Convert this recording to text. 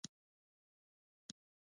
د ننګرهار په تور غره کې څه شی شته؟